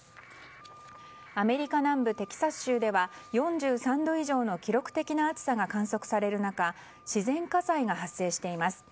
アメリカ南部テキサス州では４３度以上の記録的な暑さが観測される中自然火災が発生しています。